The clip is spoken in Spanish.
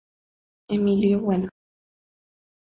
Emilio Bueno.